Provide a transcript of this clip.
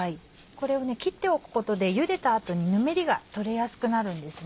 これを切っておくことで茹でた後にぬめりが取れやすくなるんです。